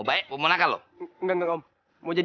saya pake kaca yang lima puluh depreci